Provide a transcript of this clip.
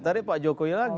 tadi pak jokowi lagi